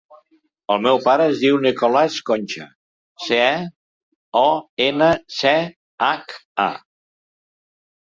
El meu pare es diu Nicolàs Concha: ce, o, ena, ce, hac, a.